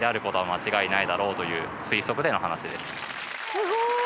すごい！